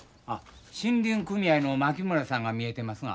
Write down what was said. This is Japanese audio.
森林組合のまきむらさんが見えてますが。